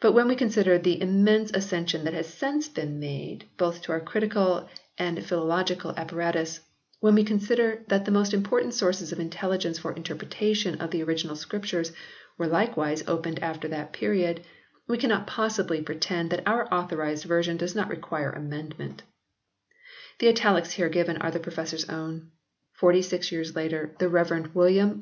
But when we consider the immense accession that has since been made, both to our critical and philological apparatus ; when we consider that the most important sources of intelligence for the interpretation of the original Scriptures were likewise opened after that period, we cannot possibly pretend that our Author ised Version does not require amendment "; the italics here given are the Professor s own. Forty six years later the Rev. Wm.